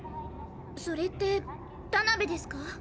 それってタナベですか？